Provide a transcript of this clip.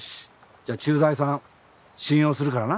じゃあ駐在さん信用するからな。